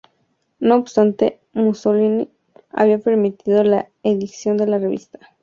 No obstante, Mussolini había permitido la edición de la revista.